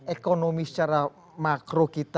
ekonomi secara makro kita